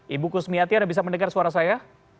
ibu kusmiati anda bisa mendengar suara saya